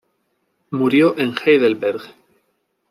Murió en Heidelberg.